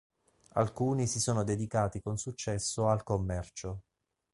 Alcuni si sono dedicati con successo al commercio.